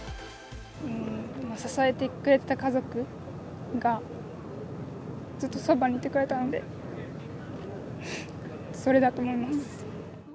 支えてくれた家族が、ずっとそばにいてくれたので、それだと思います。